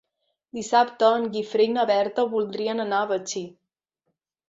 Dissabte en Guifré i na Berta voldrien anar a Betxí.